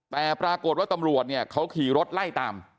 แต่ปรากฏว่าตำรวจเนี่ยเขาขี่รถไล่ตาม